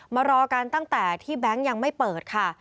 มารอกันตั้งแต่ที่แบงค์ยังไม่เปิดค่ะ